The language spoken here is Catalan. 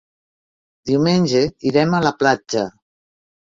Diumenge irem a la platja.